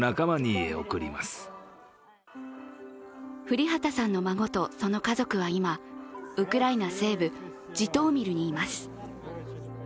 降籏さんの孫とその家族は今、ウクライナ西部ジトーミルにいます。